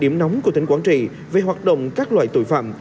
điểm nóng của tỉnh quảng trị về hoạt động các loại tội phạm